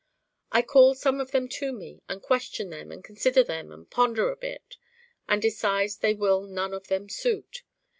I call some of them to me and question them and consider them and ponder a bit, and decide they will none of them suit.